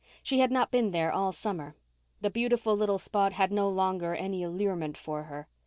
She had not been there all summer; the beautiful little spot had no longer any allurement for her.